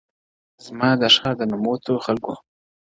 • زمــــا دښـــار د نـــومـــوتـــو خـلگــو،